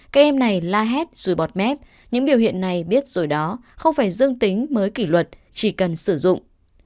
các em này la hét rùi bọt mép những biểu hiện này biết rồi đó không phải dương tính mới kỷ luật chỉ cần sử dụng